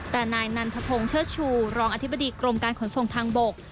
แต่นายนันทพงศ์เชิดชูรองอธิบดีกรมการขนส่งทางบก